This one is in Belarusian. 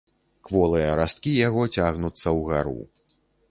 Кволыя расткі яго цягнуцца ўгару.